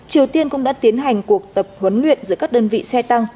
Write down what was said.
triều tiên cũng đã tiến hành cuộc tập huấn luyện giữa các đơn vị xe tăng